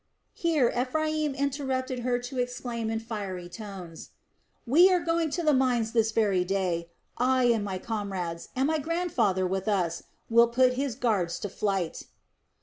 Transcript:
Here Ephraim interrupted her to exclaim in fiery tones: "We are going to the mines this very day. I and my comrades, and my grandfather with us, will put his guards to flight."